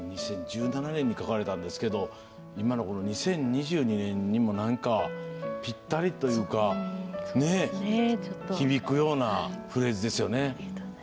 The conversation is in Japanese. ２０１７年に書かれたんですが今の２０２２年にもぴったりというか響くようなフレーズですよね。